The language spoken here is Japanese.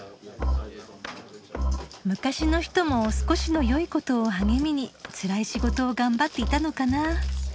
昔の人も少しの良いことを励みにつらい仕事を頑張っていたのかなぁ。